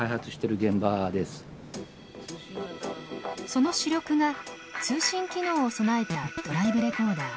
その主力が通信機能を備えたドライブレコーダー。